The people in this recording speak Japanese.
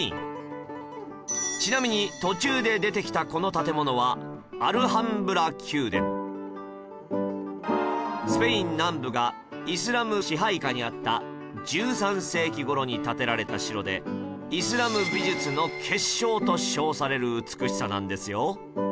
ちなみに途中で出てきたこの建物はスペイン南部がイスラム支配下にあった１３世紀頃に建てられた城で「イスラム美術の結晶」と称される美しさなんですよ